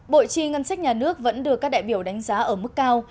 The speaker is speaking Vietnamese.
bộ chi ngân sách nhà nước vẫn được các đại biểu đánh giá ở mức cao